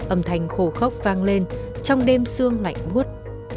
âm thanh khổ khóc vang lên trong đêm sương lạnh buốt